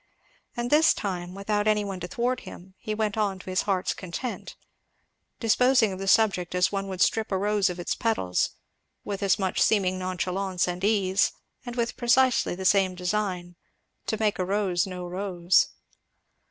And this time, without any one to thwart him, he went on to his heart's content, disposing of the subject as one would strip a rose of its petals, with as much seeming nonchalance and ease, and with precisely the same design, to make a rose no rose.